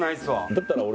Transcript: だったら俺。